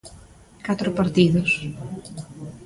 Catro partidos.